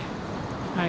はい。